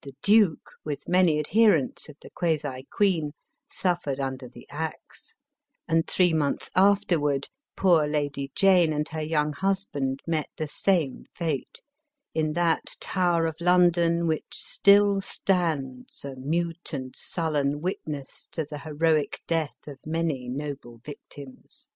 The duke, with many adherents of the quasi queen, suffered under the axe ; and, three months afterward, poor Lady Jane and her young husband met the same fate in that Tower of London which still stands, a mute and sullen witness to the heroic death of many noble victims.